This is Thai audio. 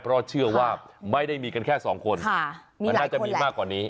เพราะเชื่อว่าไม่ได้มีกันแค่สองคนมันน่าจะมีมากกว่านี้